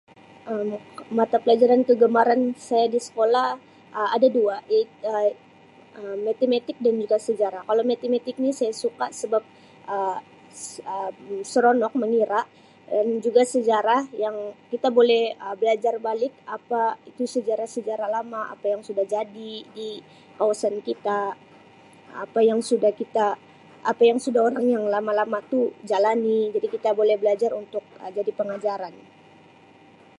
Um Mata pelajaran kegemaran saya di sekolah Um ada dua iaitu Um Matematik dan juga Sejarah kalau Matematik ni saya suka sebab Um seronok mengira Um juga Sejarah yang kita boleh Um belajar balik Um apa tu sejarah-sejarah lama apa yang sudah jadi di kawasan kita apa yang sudah kita apa yang sudah orang yang lama-lama tu jalani jadi kita boleh belajar untuk Um jadi pengajaran.